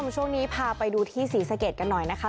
ช่วงนี้พาไปดูที่ศรีสะเกดกันหน่อยนะคะ